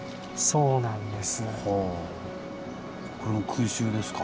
そうなんです。